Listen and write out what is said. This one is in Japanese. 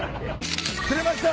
釣れました！